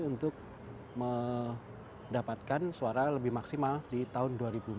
untuk mendapatkan suara lebih maksimal di tahun dua ribu dua puluh empat